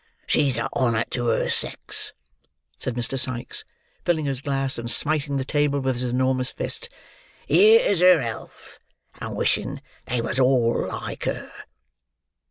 "She's a honour to her sex," said Mr. Sikes, filling his glass, and smiting the table with his enormous fist. "Here's her health, and wishing they was all like her!"